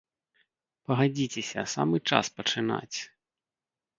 Пагадзіцеся, самы час пачынаць.